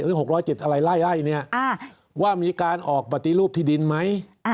๖๐๗อะไรไล่เนี่ยว่ามีการออกปฏิรูปที่ดินไหม